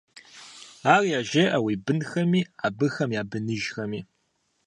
Ар яжеӀэ уи бынхэми, абыхэм я быныжхэми…